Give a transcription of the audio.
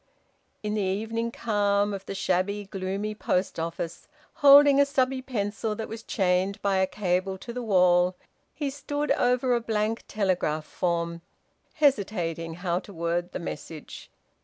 In the evening calm of the shabby, gloomy post office, holding a stubby pencil that was chained by a cable to the wall, he stood over a blank telegraph form, hesitating how to word the message.